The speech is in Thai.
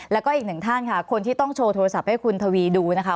แล้วก็อีกหนึ่งท่านค่ะคนที่ต้องโชว์โทรศัพท์ให้คุณทวีดูนะคะ